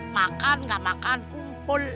makan gak makan kumpul